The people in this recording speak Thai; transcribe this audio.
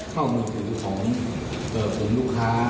เข้ากับธุรกิจของฐานข้อมูลลูกค้า